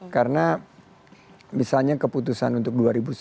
karena misalnya keputusan untuk dua ribu sembilan belas